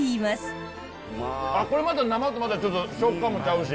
これまた生とまたちょっと食感もちゃうし。